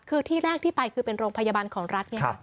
คือที่แรกที่ไปคือเป็นโรงพยาบาลของรัฐ